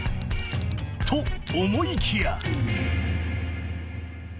［と思いきや］